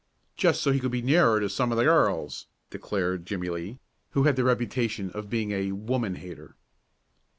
"Just so he could be nearer some of the girls," declared Jimmie Lee, who had the reputation of being a "woman hater."